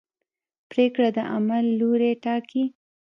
پرېکړه د عمل لوری ټاکي.